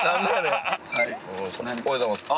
森田さんおはようございます。